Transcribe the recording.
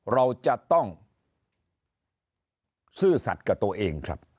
เราจะต้องซื่อสัตว์กับตัวเองครับ